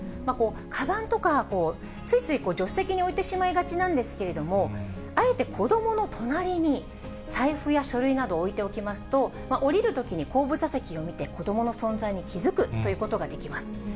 かばんとか、ついつい助手席に置いてしまいがちなんですけれども、あえて子どもの隣に、財布や書類などを置いておきますと、降りるときに後部座席を見て、子どもの存在に気付くということができます。